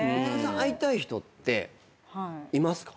会いたい人っていますか？